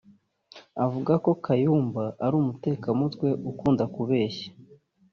Avuga ko Kayumba ari umuteka mutwe ukunda kubeshya